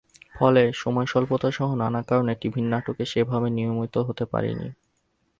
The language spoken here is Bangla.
ফলে সময়স্বল্পতাসহ নানা কারণে টিভির নাটকে সেভাবে নিয়মিত হতে পারি না।